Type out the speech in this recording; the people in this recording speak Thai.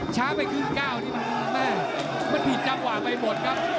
ไปครึ่งก้าวนี่มันแม่มันผิดจังหวะไปหมดครับ